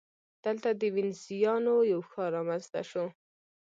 دلته د وینزیانو یو ښار رامنځته شو